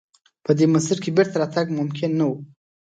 په دې مسیر کې بېرته راتګ ممکن نه و.